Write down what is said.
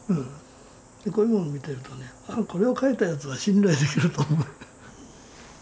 こういうもの見てるとねこれを描いたやつは信頼できると思う。